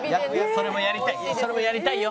それもやりたいよ。